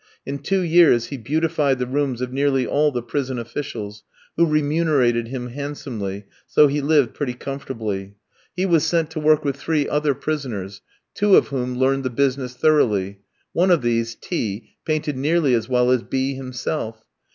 In two years he beautified the rooms of nearly all the prison officials, who remunerated him handsomely, so he lived pretty comfortably. He was sent to work with three other prisoners, two of whom learned the business thoroughly; one of these, T jwoski, painted nearly as well as B in himself.